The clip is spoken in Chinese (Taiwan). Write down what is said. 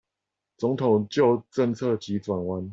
總統就政策急轉彎